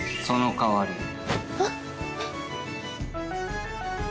そのかわり。